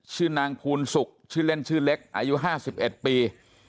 ชื่อนางภูนศุกร์ชื่อเล่นชื่อเล็กอายุ๕๑ปี